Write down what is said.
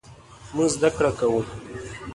مونږ زده کړه کوو